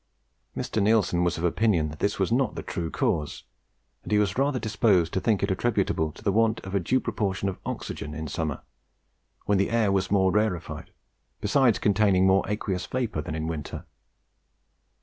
Mr. Neilson was of opinion that this was not the true cause, and he was rather disposed to think it attributable to the want of a due proportion of oxygen in summer, when the air was more rarefied, besides containing more aqueous vapour than in winter.